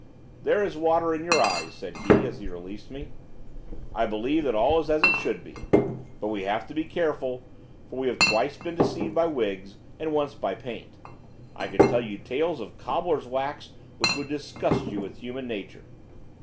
'There is water in your eyes,' said he as he released me. 'I perceive that all is as it should be. But we have to be careful, for we have twice been deceived by wigs and once by paint. I could tell you tales of cobbler's wax which would disgust you with human nature.